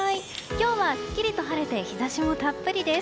今日はすっきりと晴れて日差しもたっぷりです。